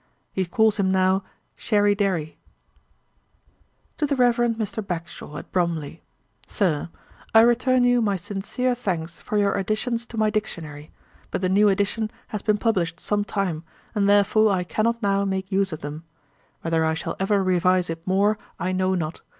He calls him now Sherry derry.' 'To THE REVEREND MR. BAGSHAW, AT BROMLEY. 'SIR, 'I return you my sincere thanks for your additions to my Dictionary; but the new edition has been published some time, and therefore I cannot now make use of them. Whether I shall ever revise it more, I know not.